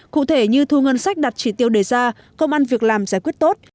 cụ thể như thu ngân sách đạt chỉ tiêu đề ra công an việc làm giải quyết tốt